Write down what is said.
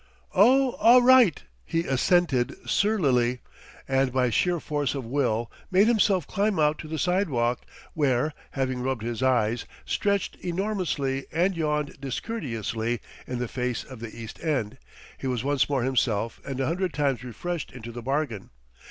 "Oh, a' right," he assented surlily, and by sheer force of will made himself climb out to the sidewalk; where, having rubbed his eyes, stretched enormously and yawned discourteously in the face of the East End, he was once more himself and a hundred times refreshed into the bargain.